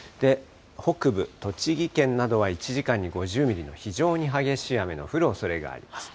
北部、栃木県などは１時間に５０ミリの非常に激しい雨の降るおそれがあります。